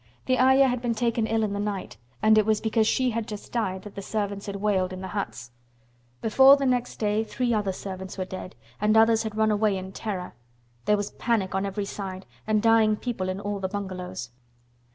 The Ayah had been taken ill in the night, and it was because she had just died that the servants had wailed in the huts. Before the next day three other servants were dead and others had run away in terror. There was panic on every side, and dying people in all the bungalows.